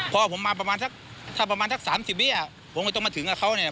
พอผมมาประมาณซัก๓๐เดียวผมไม่ต้องมาถึงกับเขาเนี่ย